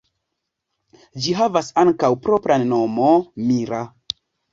Ĝi havas ankaŭ propran nomo "Mira".